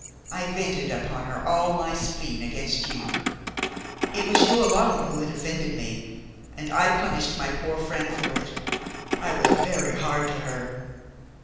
I vented upon her all my spleen against you; it was you alone who had offended me, and I punished my poor friend for it. I was very hard to her!"